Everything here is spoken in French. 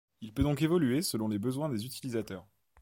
Il peut donc évoluer selon les besoins des utilisateurs.